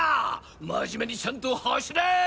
真面目にちゃんと走れ！